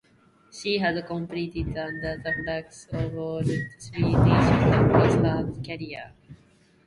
She has competed under the flags of all three nations across her career.